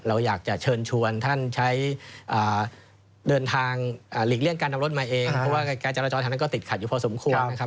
เราอยากจะเชิญชวนท่านใช้เดินทางหลีกเลี่ยงการนำรถมาเองเพราะว่าการจราจรทางนั้นก็ติดขัดอยู่พอสมควรนะครับ